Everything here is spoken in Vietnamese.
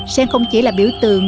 sen không chỉ là biểu tượng